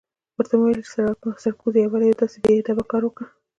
ورته ویې ویل چې سرکوزیه ولې دې داسې بې ادبه کار وکړ؟